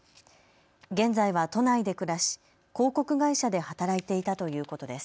現在は都内で暮らし広告会社で働いていたということです。